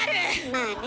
まあね。